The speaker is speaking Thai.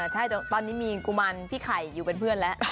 ใช่ตอนนี้มีกุมารพี่ไข่อยู่เป็นเพื่อนแล้ว